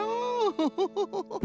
フフフフフ。